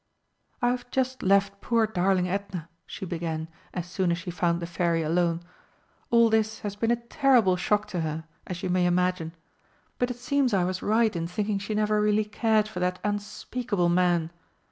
"I've just left poor darling Edna," she began, as soon as she found the Fairy alone; "all this has been a terrible shock to her, as you may imagine. But it seems I was right in thinking she never really cared for that unspeakable man.